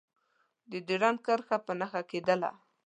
د ډیورنډ کرښه په نښه کېدله.